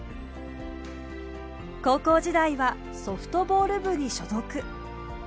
高校時代はソフトボール部に所属。